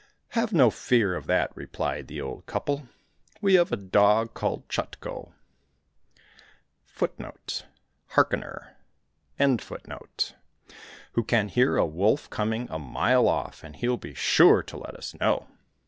—" Have no fear of that !" replied the old couple. We have a dog called Chutko,^ who can hear a wolf coming a mile off, and he'll be sure to let us know."